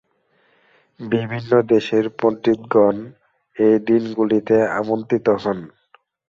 বিভিন্ন দেশের পণ্ডিতগণ এই দিনগুলিতে আমন্ত্রিত হন।